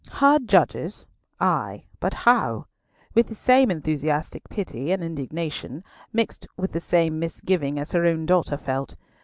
Her judges? Ay! but how? With the same enthusiastic pity and indignation, mixed with the same misgiving as her own daughter felt.